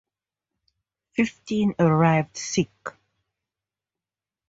Fifteen arrived sick.